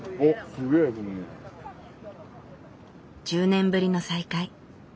１０年ぶりの再会。